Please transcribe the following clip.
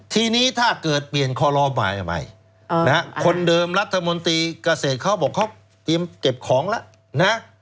ทีนี้ถ้าเกิดเปลี่ยนคอลอใหม่คนเดิมรัฐมนตรีเกษตรเขาบอกเขาเตรียมเก็บของแล้วนะ